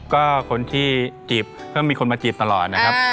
ก็คนที่จีบก็มีคนมาจีบตลอดนะครับ